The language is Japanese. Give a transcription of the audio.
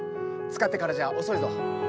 つかってからじゃ遅いぞ。